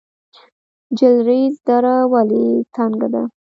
جلریز دره ولې تنګه ده؟